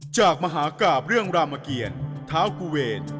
จากมหากาบเรื่องรามเกียรทาวกูเวช